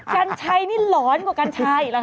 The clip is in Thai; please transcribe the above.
กัญชายนี่หลอนกว่ากัญชายหรอค่ะ